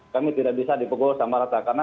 kami tidak bisa dipukul sama rata karena